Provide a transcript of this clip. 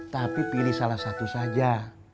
tapi pilih salah satu saja